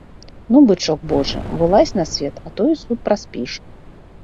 Ну, бычок божы, вылазь на свет, а то і суд праспіш.